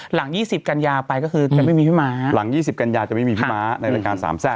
หลัง๒๐กันยาไปก็คือจะไม่มีพี่ม้าหลัง๒๐กันยาจะไม่มีพี่ม้าในรายการสามแซ่บ